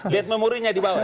lihat memorinya di bawah